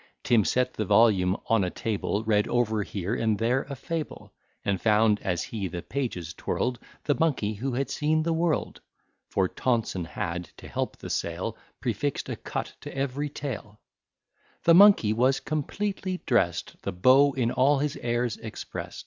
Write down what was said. Tim set the volume on a table, Read over here and there a fable: And found, as he the pages twirl'd, The monkey who had seen the world; (For Tonson had, to help the sale, Prefix'd a cut to every tale.) The monkey was completely drest, The beau in all his airs exprest.